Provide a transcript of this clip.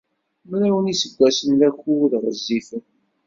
Mraw n yiseggasen d akud ɣezzifen.